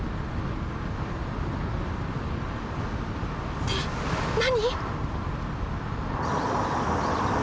って何？